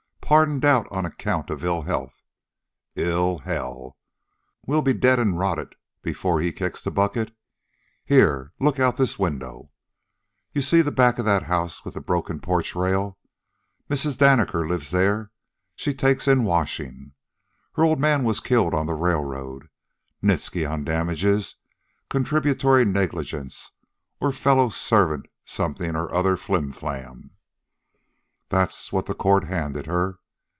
Pardoned out on account of ill health. Ill hell! We'll be dead an' rotten before he kicks the bucket. Here. Look out this window. You see the back of that house with the broken porch rail. Mrs. Danaker lives there. She takes in washin'. Her old man was killed on the railroad. Nitsky on damages contributory negligence, or fellow servant something or other flimflam. That's what the courts handed her.